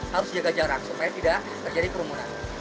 harus jaga jarak supaya tidak terjadi kerumunan